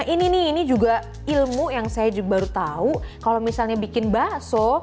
ini ilmu yang saya baru tahu kalau misalnya bikin bakso